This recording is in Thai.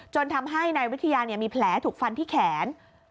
ทำให้นายวิทยามีแผลถูกฟันที่แขน